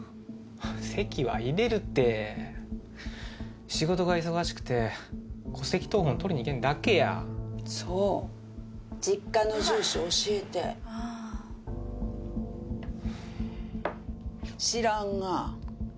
籍は入れるて仕事が忙しくて戸籍謄本取りに行けんだけやそう実家の住所教えて知らんが？